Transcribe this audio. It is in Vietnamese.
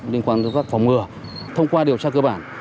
liên quan tới phòng ngừa thông qua điều tra cơ bản